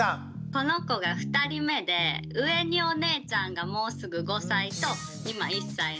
この子が２人目で上にお姉ちゃんがもうすぐ５歳と今１歳なんですけど。